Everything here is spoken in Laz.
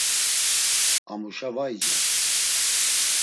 Amuşa va icer.